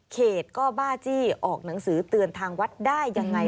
เขตก็บ้าจี้ออกหนังสือเตือนทางวัดได้ยังไง